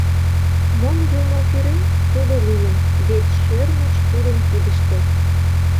Мом Юмо пӱрен, тудо лийын, вет шӧрмыч — тудын кидыште.